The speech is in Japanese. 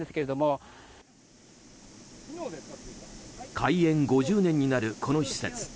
開園５０年になる、この施設。